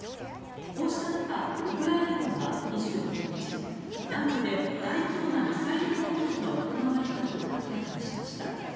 こうした中ウクライナ軍は２６日南部で大規模なミサイル攻撃が行われたと明らかにしました。